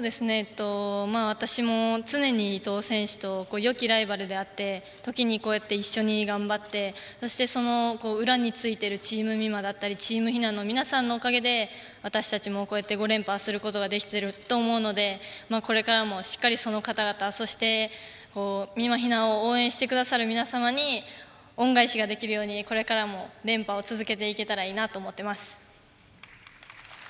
私も常に伊藤選手とよきライバルであって時に、こうやって一緒に頑張って裏についているチーム美誠だったりチームひなの皆さんのおかげで私たちも、こうして５連覇することができていると思うので、これからも、その方々そして、みまひなを応援してくださる皆さんに恩返しができるようにこれからも連覇を続けていけたらいいなと思っています。